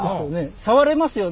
触れますよね？